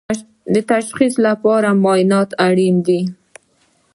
د تشخیص لپاره معاینات اړین دي